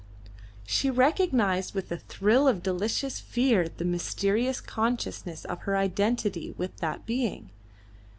She recognised with a thrill of delicious fear the mysterious consciousness of her identity with that being.